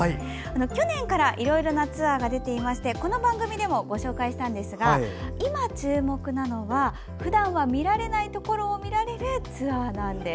去年から、いろいろなツアーが出ていましてこの番組でもご紹介しましたが今注目なのはふだんは見られないところを見られるツアーです。